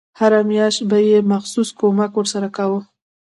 هره میاشت به یې مخصوص کمک ورسره کاوه.